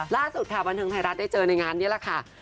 ล่าสุดค่ะบันเทิงไทยรัฐได้เจอในงานนี้แหละค่ะ